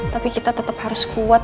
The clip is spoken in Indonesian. tapi kita tetap harus kuat